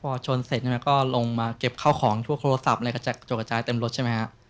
พอชนเสร็จใช่ไหมก็ลงมาเก็บข้าวของทั่วโทรศัพท์อะไรกระจัดจกกระจายเต็มรถใช่ไหมฮะ